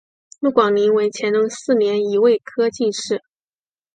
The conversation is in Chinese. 陆广霖为乾隆四年己未科进士。